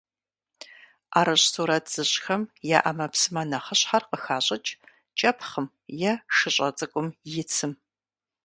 Ӏэрыщӏ сурэт зыщӏхэм я ӏэмэпсымэ нэхъыщхьэр къыхащӏыкӏ кӏэпхъым е шыщӏэ цӏыкум и цым.